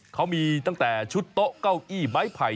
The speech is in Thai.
เขามีตั้งแต่ชุดโต๊ะเก้าอี้ไม้ไผ่